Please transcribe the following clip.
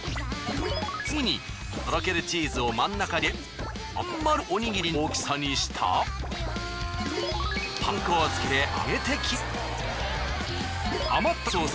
次にとろけるチーズを真ん中に入れまん丸おにぎりの大きさにしたらパン粉をつけて揚げていきます。